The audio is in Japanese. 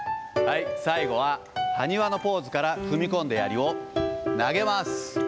最後ははにわのポーズから、踏み込んで、やりを投げます。